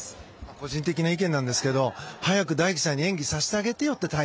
個人的な意見なんですけど早く大輝さんに演技させてあげてよって。